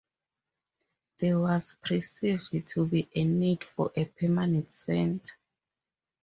There was perceived to be a need for a permanent centre.